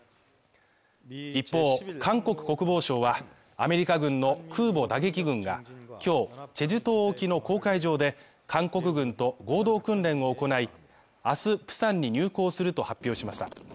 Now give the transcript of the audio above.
一方、韓国国防省は、アメリカ軍の空母打撃群が今日チェジュ島沖の公海上で、韓国軍と合同訓練を行い、明日プサンに入港すると発表しました。